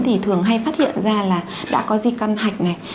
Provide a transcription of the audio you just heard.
thì thường hay phát hiện ra là đã có di căn hạch này